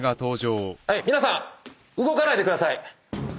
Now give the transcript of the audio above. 皆さん動かないでください。